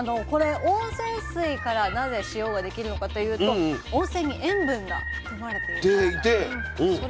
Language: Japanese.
温泉水からなぜ塩ができるのかというと温泉に塩分が含まれているからなんです。